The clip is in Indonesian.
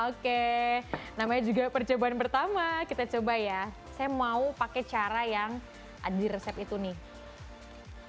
oke namanya juga percobaan pertama kita coba ya saya mau pakai cara yang ada di resep itu nih